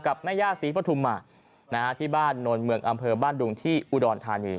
กับแม่ย่าศรีพระธุมะนะที่บ้านนวลเมืองอำเภอบ้านดุงที่อุดรธานี